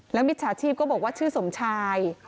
มิจฉาชีพก็บอกว่าชื่อสมชาย